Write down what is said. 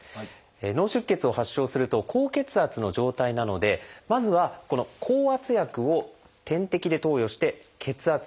脳出血を発症すると高血圧の状態なのでまずはこの降圧薬を点滴で投与して血圧を下げます。